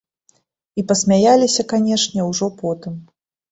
І пасмяяліся, канешне, ужо потым.